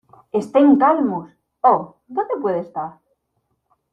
¡ Estén calmos! ¿ oh, dónde puede estar?